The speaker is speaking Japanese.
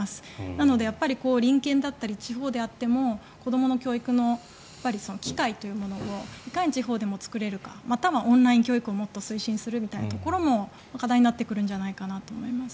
なので隣県だったり地方であっても子どもの教育の機会というものをいかに地方でも作れるかまたはオンライン教育をもっと推進するみたいなところも課題になってくるんじゃないかなと思います。